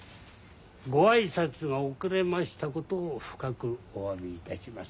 ご挨拶が遅れましたことを深くおわびいたします。